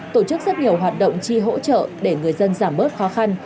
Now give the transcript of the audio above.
tổ chức rất nhiều hoạt động chi hỗ trợ để người dân giảm bớt khó khăn